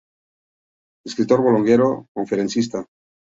Escritor, bloguero, conferencista.